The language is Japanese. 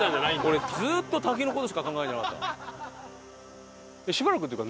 俺ずーっと滝の事しか考えてなかった。